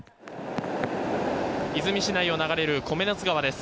出水市内を流れる米ノ津川です。